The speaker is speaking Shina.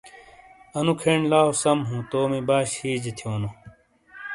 انو کھین لاؤ سَم ہُوں تومی باش ہیجے تھیونو۔